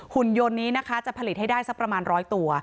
หุ่นยนต์นี้นะคะจะผลิตให้ได้สักประมาณ๑๐๐ตัว